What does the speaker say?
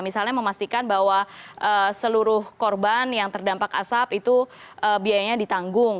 misalnya memastikan bahwa seluruh korban yang terdampak asap itu biayanya ditanggung